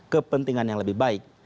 kepentingan yang lebih baik